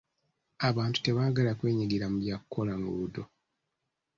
Abantu tebaagala kwenyigira mu bya kukola nguudo.